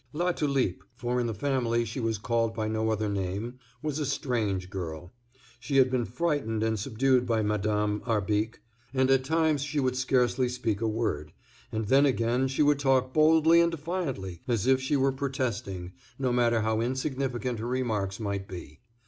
Latulipe, for in the family she was called by no other name, was a strange girl. She had been frightened and subdued by Madame Arbique, and at times she would scarcely speak a word, and then again she would talk boldly and defiantly, as if she were protesting, no matter how insignificant her remarks might be.